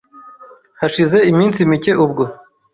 Hashize iminsi mike ubwo